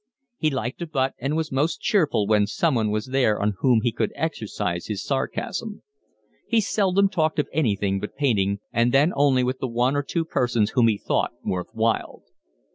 He liked a butt and was most cheerful when someone was there on whom he could exercise his sarcasm. He seldom talked of anything but painting, and then only with the one or two persons whom he thought worth while.